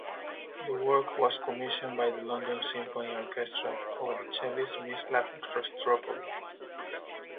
The work was commissioned by the London Symphony Orchestra for the cellist Mstislav Rostropovich.